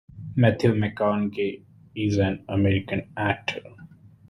Matthew McConaughey is an American actor.